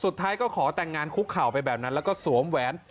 สุดท้ายก็ขอแต่งงานคุกเข่าไปแบบนั้นแล้วก็สวมแหวน